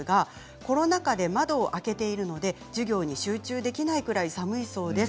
コロナ禍で窓を開けているので授業に集中できないくらい寒いそうです。